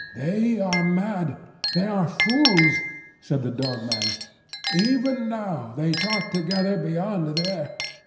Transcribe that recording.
"They are mad; they are fools," said the Dog man. "Even now they talk together beyond there.